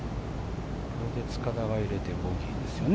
これで塚田が入れてボギーですよね。